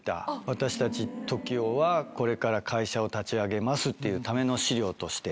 私たちＴＯＫＩＯはこれから会社を立ち上げますっていうための資料として。